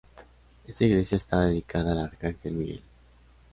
Esta iglesia está dedicada al Arcángel Miguel.